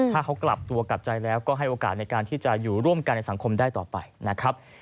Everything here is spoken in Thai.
ถ้าเขากลับตัวกลับใจแล้วก็ให้โอกาสในการที่จะอยู่ร่วมกันในสังคมได้ต่อไปนะครับ